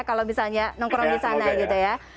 kalau misalnya nongkrong di sana gitu ya